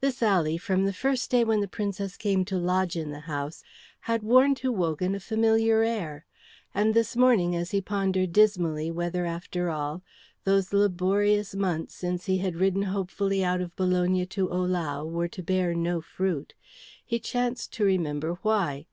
This alley, from the first day when the Princess came to lodge in the house, had worn to Wogan a familiar air; and this morning, as he pondered dismally whether, after all, those laborious months since he had ridden hopefully out of Bologna to Ohlau were to bear no fruit, he chanced to remember why.